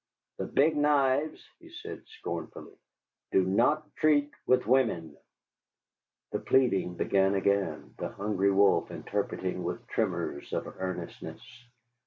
"The Big Knives," he said scornfully, "do not treat with women." The pleading began again, the Hungry Wolf interpreting with tremors of earnestness.